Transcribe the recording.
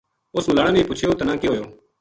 اُس ملانا نے پُچھیو تَنا کے ہویو